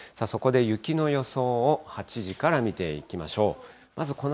そこで雪の予想を８時から見ていきましょう。